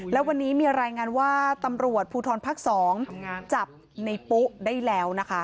แล้ววันนี้มีรายงานว่าตำรวจภูทรภาค๒จับในปุ๊ได้แล้วนะคะ